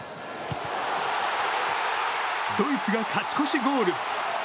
ドイツが勝ち越しゴール。